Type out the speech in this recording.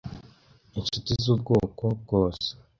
inshuti z'ubwoko bwose